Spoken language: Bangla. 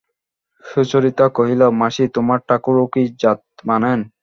সুচরিতা কহিল, মাসি, তোমার ঠাকুরও কি জাত মানেন?